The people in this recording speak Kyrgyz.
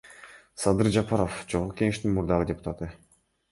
Садыр Жапаров — Жогорку Кеңештин мурдагы депутаты.